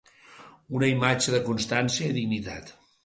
Una imatge de constància i dignitat.